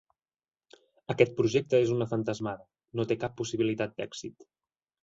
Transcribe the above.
Aquest projecte és una fantasmada, no té cap possibilitat d'èxit.